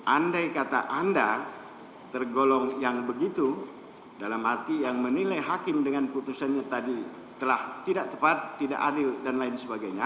andai kata anda tergolong yang begitu dalam arti yang menilai hakim dengan putusannya tadi telah tidak tepat tidak adil dan lain sebagainya